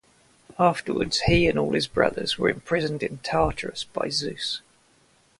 Afterwards, he and all his brothers were imprisoned in Tartarus by Zeus.